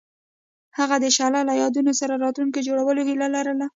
هغوی د شعله له یادونو سره راتلونکی جوړولو هیله لرله.